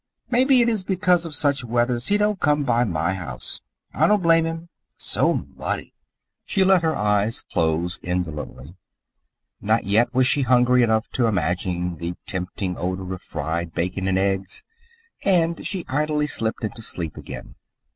Mebby it is because of such weathers he don't come by my house. I don't blame him. So muddy!" She let her eyes close indolently. Not yet was she hungry enough to imagine the tempting odour of fried bacon and eggs, and she idly slipped into sleep again.